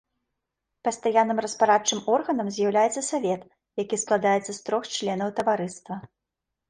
Пастаянным распарадчым органам з'яўляецца савет, які складаецца з трох членаў таварыства.